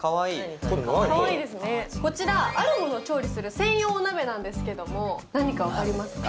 ・かわいいかわいいですねこちらあるものを調理する専用お鍋なんですけども何かわかりますか？